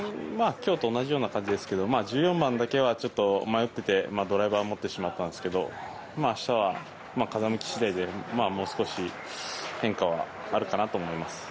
今日と同じような感じですが１４番だけは迷ってて、ドライバーを持ってしまったんですけど明日は風向き次第で、もう少し変化はあるかなと思います。